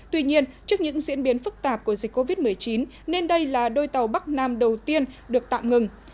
tuy nhiên trước những diễn biến phức tạp của dịch covid một mươi chín nên đây là đôi tàu bắc nam đầu tiên được tạm ngừng